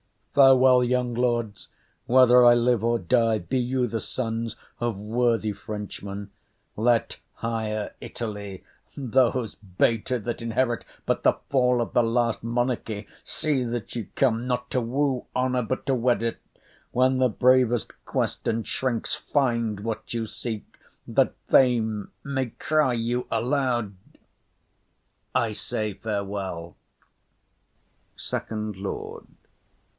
Farewell, young lords. Whether I live or die, be you the sons Of worthy Frenchmen; let higher Italy,— Those bated that inherit but the fall Of the last monarchy—see that you come Not to woo honour, but to wed it, when The bravest questant shrinks: find what you seek, That fame may cry you loud. I say farewell. SECOND LORD.